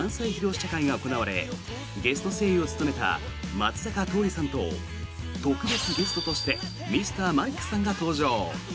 試写会が行われゲスト声優を務めた松坂桃李さんと特別ゲストとしてＭｒ．マリックさんが登場！